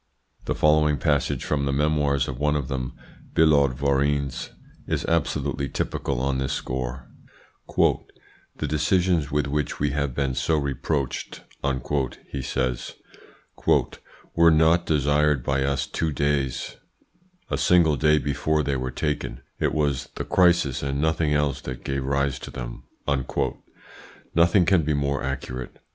The following passage from the memoirs of one of them, Billaud Varennes, is absolutely typical on this score: "The decisions with which we have been so reproached," he says, "WERE NOT DESIRED BY US TWO DAYS, A SINGLE DAY BEFORE THEY WERE TAKEN: IT WAS THE CRISIS AND NOTHING ELSE THAT GAVE RISE TO THEM." Nothing can be more accurate.